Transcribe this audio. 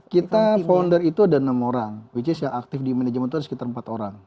kita founder itu ada enam orang which is yang aktif di manajemen itu ada sekitar empat orang